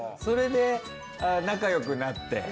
それで仲よくなって。